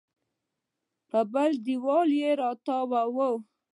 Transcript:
په بلې دېوال راتاو و.